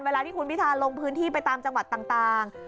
เวลาที่คุณพิธาลงพื้นที่ไปตามจังหวัดต่าง